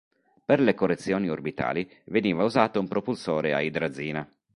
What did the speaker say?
Per le correzioni orbitali veniva usato un propulsore a idrazina.